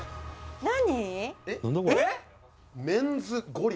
「何？」